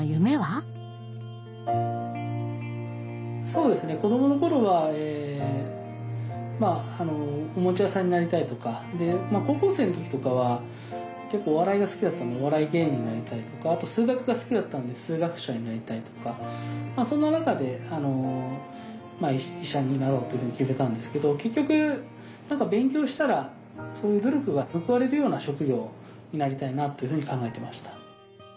そうですね子どもの頃はまあおもちゃ屋さんになりたいとか高校生の時とかは結構お笑いが好きだったのでお笑い芸人になりたいとかあと数学が好きだったんで数学者になりたいとかそんな中で医者になろうというふうに決めたんですけど結局何か勉強したら努力が報われるような職業になりたいなというふうに考えてました。